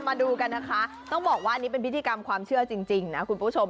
มาดูกันนะคะต้องบอกว่าอันนี้เป็นพิธีกรรมความเชื่อจริงนะคุณผู้ชม